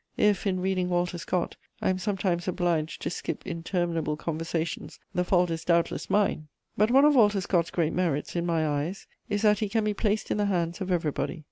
If, in reading Walter Scott, I am sometimes obliged to skip interminable conversations, the fault is doubtless mine; but one of Walter Scott's great merits, in my eyes, is that he can be placed in the hands of everybody.